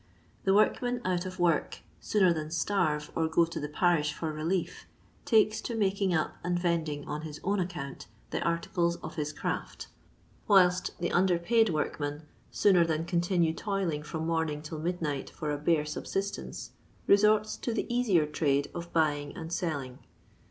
The workman out of work, sooner than starve or go to the parish for relief, takes to making up and vending on his own ac count the articles of his craft, whilst the underpaid workman, sooner than continue toiling from morn ing till midnight for a bare subsistence, resorts to the easier trade of buying and selling.